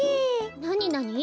なになに？